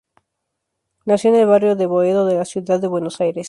Nació en el barrio de Boedo de la ciudad de Buenos Aires.